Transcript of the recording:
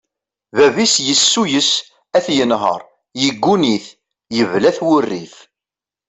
Bab-is yessuyes ad t-yenher, yegguni-t, yebla-t wurrif.